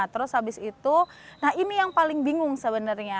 terus habis itu nah ini yang paling bingung sebenarnya